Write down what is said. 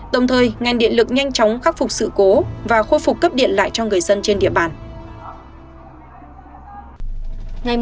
đồng thời ngành điện lực nhanh chóng khắc phục sự cố và khôi phục cấp điện lại cho người dân trên địa bàn